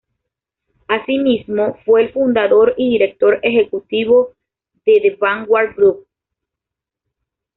Así mismo fue el fundador y director ejecutivo de The Vanguard Group.